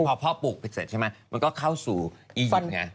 พอพ่อปลูกไปเสร็จใช่ไหมมันก็เข้าสู่อียิปต์ไง